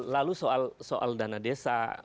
lalu soal dana desa